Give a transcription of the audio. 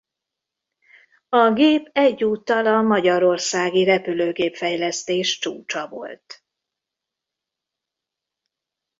A gép egyúttal a magyarországi repülőgép-fejlesztés csúcsa volt.